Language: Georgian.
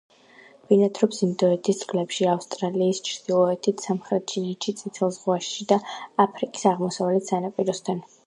ბინადრობს ინდოეთის წყლებში, ავსტრალიის ჩრდილოეთით, სამხრეთ ჩინეთში, წითელ ზღვაში და აფრიკის აღმოსავლეთ სანაპიროსთან.